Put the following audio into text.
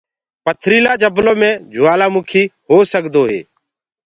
پٿريٚلآ جنلو مي جوآلآ مُڪي هوڪسدو هي۔